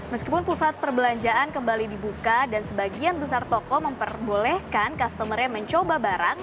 meskipun pusat perbelanjaan kembali dibuka dan sebagian besar toko memperbolehkan customer nya mencoba barang